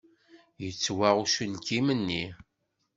Yettwaɣ uselkim-nni.